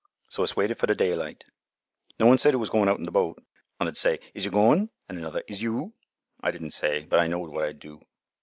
So us waited for th' daylight. No one said who was goin' out in th' boat. Un 'ud say, 'Is you goin'?' An' another, 'Is you?' I didn' say, but I knowed what I'd do.